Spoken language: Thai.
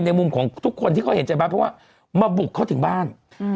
มุมของทุกคนที่เขาเห็นใจบาทเพราะว่ามาบุกเขาถึงบ้าน